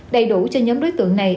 đầy đủ cho nhóm đối tượng này